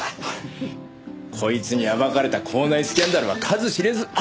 こいつに暴かれた校内スキャンダルは数知れず。